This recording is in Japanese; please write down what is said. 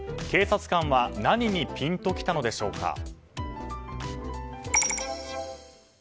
警察官は何にピンときたのでしょうか。